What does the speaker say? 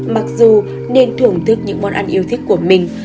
mặc dù nên thưởng thức những món ăn yêu thích của mình